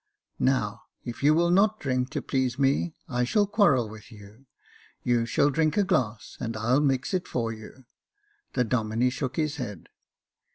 Now, if you will not drink to please me, I shall quarrel with you. You shall drink a glass, and I'll mix it for you. The Domine shook his head.